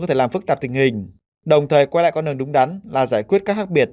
có thể làm phức tạp tình hình đồng thời quay lại con đường đúng đắn là giải quyết các khác biệt